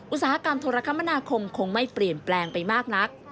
อุตสาหกรรมโทรคมนาคมคงไม่เปลี่ยนแปลงไปมากนัก